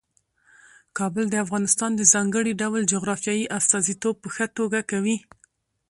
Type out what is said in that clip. کابل د افغانستان د ځانګړي ډول جغرافیې استازیتوب په ښه توګه کوي.